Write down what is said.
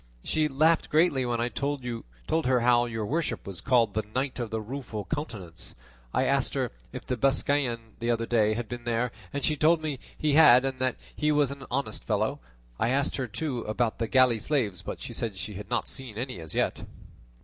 She laughed greatly when I told her how your worship was called The Knight of the Rueful Countenance; I asked her if that Biscayan the other day had been there; and she told me he had, and that he was an honest fellow; I asked her too about the galley slaves, but she said she had not seen any as yet."